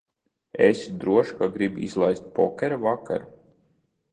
Esi drošs, ka gribi izlaist pokera vakaru?